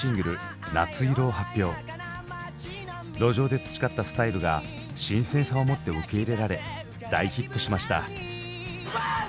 路上で培ったスタイルが新鮮さをもって受け入れられ大ヒットしました。